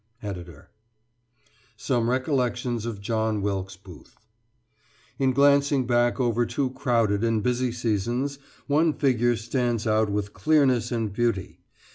Ed.] SOME RECOLLECTIONS OF JOHN WILKES BOOTH In glancing back over two crowded and busy seasons, one figure stands out with clearness and beauty.